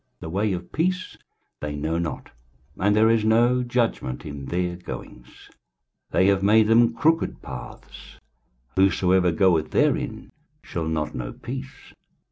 23:059:008 The way of peace they know not; and there is no judgment in their goings: they have made them crooked paths: whosoever goeth therein shall not know peace.